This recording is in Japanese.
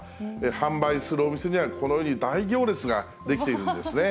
販売するお店には、このように大行列が出来ているんですね。